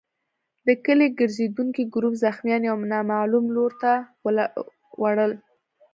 د کلي ګرزېدونکي ګروپ زخمیان يو نامعلوم لور ته وړل.